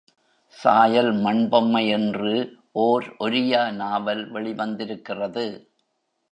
சாயல் மண்பொம்மை என்று ஓர் ஒரியா நாவல் வெளிவந்திருக்கிறது.